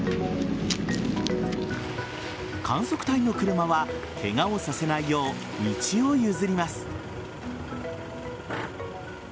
観測隊の車はケガをさせないよう道を譲ります。